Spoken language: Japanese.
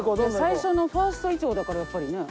最初のファーストいちごだからやっぱりね。